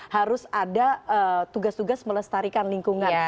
harus ada tugas tugas melestarikan lingkungan